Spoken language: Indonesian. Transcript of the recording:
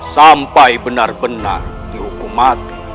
sampai benar benar dihukum mati